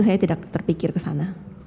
saya tidak terpikir ke sana